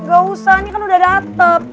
gak usah ini kan udah atap